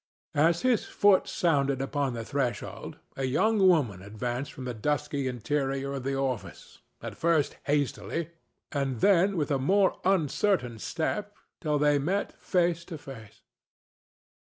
As his foot sounded upon the threshold a young woman advanced from the dusky interior of the house, at first hastily, and then with a more uncertain step, till they met face to face.